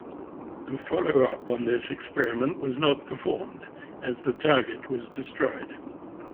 A follow-up on this experiment was not performed, as the target was destroyed.